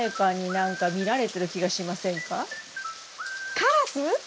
カラス？